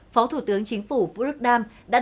phó thủ tướng chính phủ vũ rức đam đã đến